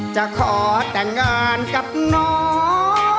จะขอแต่งงานกับน้อง